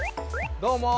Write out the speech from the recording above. どうも。